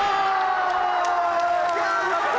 やった！